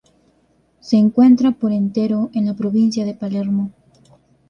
Se encuentra por entero en la provincia de Palermo.